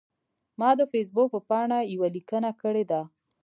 ما د فیسبوک په پاڼه یوه لیکنه کړې ده.